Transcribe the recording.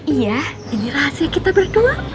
iya ini rahasia kita berdua